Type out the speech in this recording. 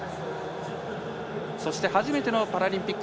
そして初めてのパラリンピック